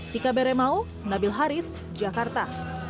tika bere mau nabil haris jakarta